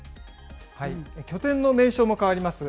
拠点の名称も変わります。